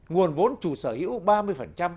nguồn vốn chủ sở hữu ba mươi